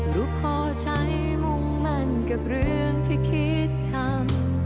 ลูกพอใช้มุ่งมั่นกับเรื่องที่คิดทำ